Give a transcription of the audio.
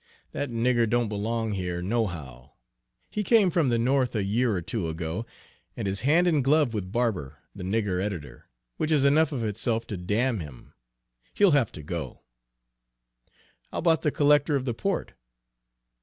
That nigger don't belong here nohow. He came from the North a year or two ago, and is hand in glove with Barber, the nigger editor, which is enough of itself to damn him. He'll have to go!" "How about the collector of the port?"